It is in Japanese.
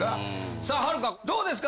さあはるかどうですか？